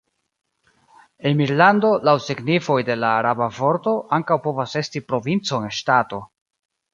Emirlando, laŭ signifoj de la araba vorto, ankaŭ povas esti provinco en ŝtato.